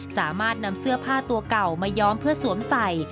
สามารถนำเสื้อผ้าตัวเก่ามาย้อมเพื่อสวมใส่